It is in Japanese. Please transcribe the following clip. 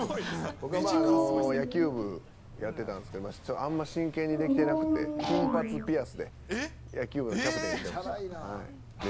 僕は野球部やってたんですけど、あんま真剣にできてなくて、金髪ピアスで、野球部のキャプテちゃらいなー。